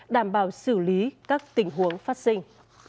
đảm bảo xử lý các tình huống phát sinh